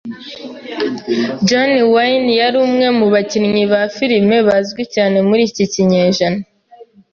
John Wayne yari umwe mu bakinnyi ba firime bazwi cyane muri iki kinyejana.